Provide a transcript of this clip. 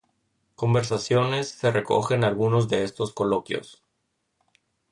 Conversaciones" se recogen algunos de estos coloquios.